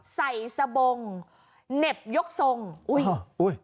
ใส่สะบงเหน็บยกทรงอุ้ย